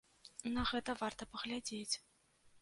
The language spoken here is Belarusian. На гэта варта паглядзець.